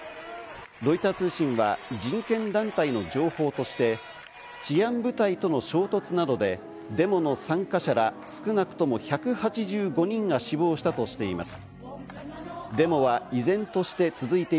ロイター通信は人権団体の情報として治安部隊との衝突などでデモの参加者ら少なくとも１８５人が死亡したとしています。